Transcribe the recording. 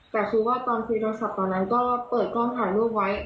แต่คือว่าตอนคุยโทรศัพท์ตอนนั้นก็เปิดกล้องถ่ายรูปไว้